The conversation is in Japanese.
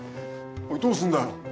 おいどうすんだよ？